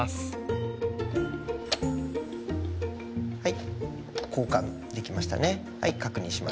はい。